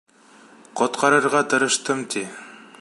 Ҡотҡарырға тырыштым, — ти.